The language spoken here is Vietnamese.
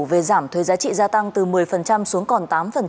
về giảm thuế giá trị gia tăng từ một mươi xuống còn tám